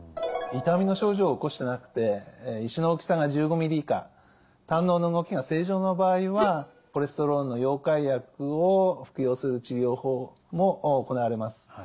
痛みの症状を起こしてなくて石の大きさが１５ｍｍ以下胆のうの動きが正常な場合はコレステロールの溶解薬を服用する治療法も行われます。